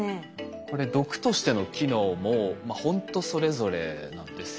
これ毒としての機能もほんとそれぞれなんですよね。